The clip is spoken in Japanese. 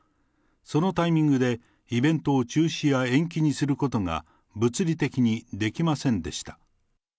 そのタイミングでイベントを中止や延期にすることが、物理的にできませんでした。